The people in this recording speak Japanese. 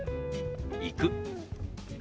「行く」。